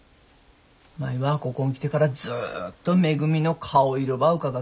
舞はここん来てからずっとめぐみの顔色ばうかがっとる。